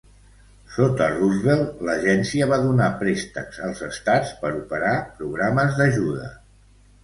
Sota Roosevelt, l'agència va donar préstecs als Estats per operar programes d'ajuda.